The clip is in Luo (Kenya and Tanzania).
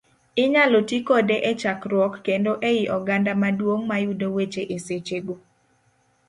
Inyalo ti kode e chakruok, kendo ei oganda maduong' mayudo weche e seche go.